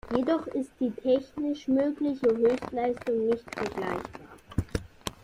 Jedoch ist die technisch mögliche Höchstleistung nicht vergleichbar.